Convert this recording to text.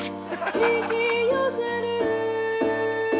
「引き寄せる」